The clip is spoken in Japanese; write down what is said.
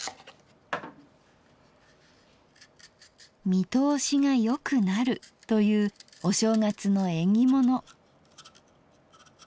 見通しがよくなるというお正月の縁起物。